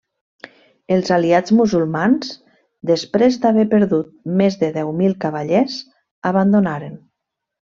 Els aliats musulmans, després d'haver perdut més de deu mil cavallers, abandonaren.